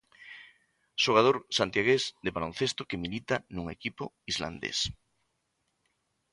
Xogador santiagués de baloncesto que milita nun equipo islandés.